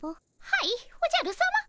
はいおじゃるさま。